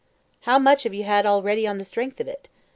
"How much have you had already on the strength of it?